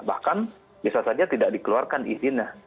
bahkan bisa saja tidak dikeluarkan izinnya